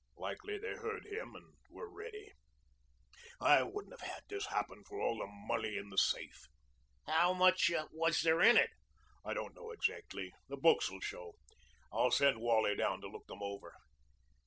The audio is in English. Likely they heard him and were ready. I wouldn't have had this happen for all the money in the safe." "How much was there in it?" "I don't know exactly. The books will show. I'll send Wally down to look them over."